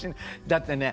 だってね